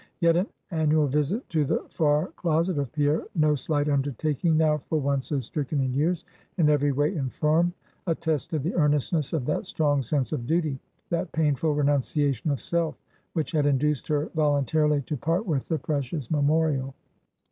Yet an annual visit to the far closet of Pierre no slight undertaking now for one so stricken in years, and every way infirm attested the earnestness of that strong sense of duty, that painful renunciation of self, which had induced her voluntarily to part with the precious memorial.